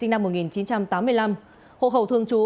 năm một nghìn chín trăm tám mươi năm hộ khẩu thường chú